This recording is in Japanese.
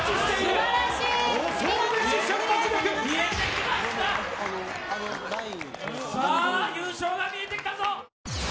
うまいさあ優勝が見えてきたぞ